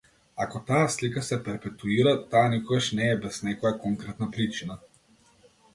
Ако таа слика се перпетуира, таа никогаш не е без некоја конкретна причина.